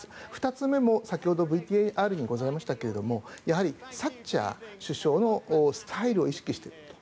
２つ目も先ほどＶＴＲにございましたがやはりサッチャー首相のスタイルを意識していると。